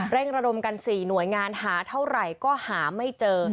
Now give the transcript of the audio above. ระดมกัน๔หน่วยงานหาเท่าไหร่ก็หาไม่เจอ